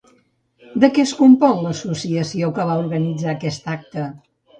De què es compon l'associació que va organitzar aquest acte?